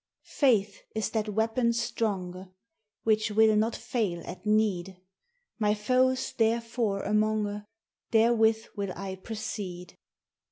137 Faith is thai weapon stronge, Which wil not faile at nede; Mv foes therefere amonge, Therewith wil I procede.